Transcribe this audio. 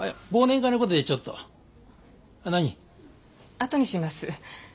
あとにします。